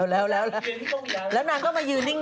แล้วแล้วนังก็มาแย่นิ่ง